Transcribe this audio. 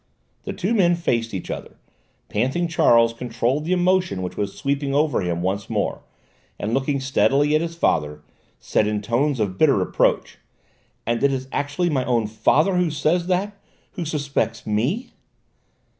The two men faced each other, panting. Charles controlled the emotion which was sweeping over him once more, and looking steadily at his father, said in tones of bitter reproach: "And it is actually my own father who says that who suspects me!"